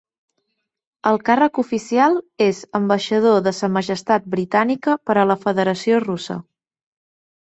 El càrrec oficial és ambaixador de Sa Majestat Britànica per a la Federació Russa.